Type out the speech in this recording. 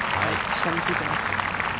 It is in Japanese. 下についています。